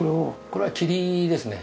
これはキリですね